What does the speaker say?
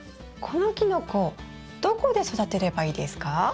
このキノコどこで育てればいいですか？